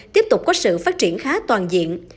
tiếp tục có sự phát triển khá toàn diện